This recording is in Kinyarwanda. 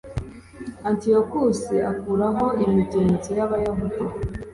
antiyokusi akuraho imigenzo y'abayahudi